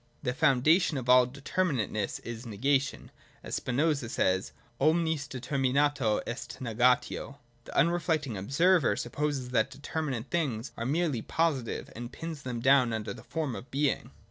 The foundation of all determinateness is negation (as Spinoza says, Omnis determinatio est negatio). Hlie unre flecting observer supposes that determinate things are merely 172 THE DOCTRINE OF BEING. [91, 92 positive, and pins them down under the form of being.